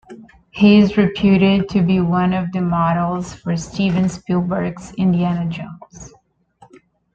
He is reputed to be one of the models for Steven Spielberg's Indiana Jones.